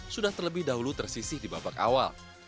sudah terlebih dahulu tersisih di babak awal